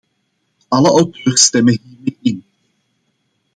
Alle auteurs stemmen hiermee in.